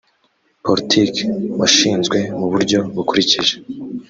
politiki washinzwe mu buryo bukurikije